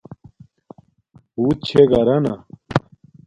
بوت چھے گھرانا